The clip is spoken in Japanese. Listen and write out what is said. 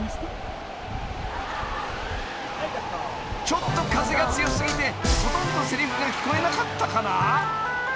［ちょっと風が強過ぎてほとんどせりふが聞こえなかったかな？］